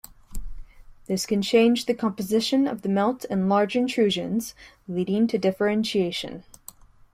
This can change the composition of the melt in large intrusions, leading to differentiation.